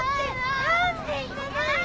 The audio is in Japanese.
何で行かないの！